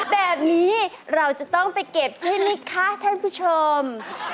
แบบนี้เราจะต้องไปเก็บใช่ไหมคะท่านผู้ชม